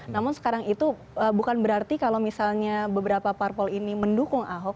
namun sekarang itu bukan berarti kalau misalnya beberapa parpol ini mendukung ahok